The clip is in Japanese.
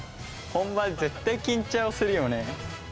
本番、絶対緊張するよね。